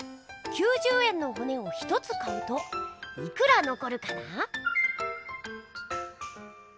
９０円のホネを１つ買うといくらのこるかな？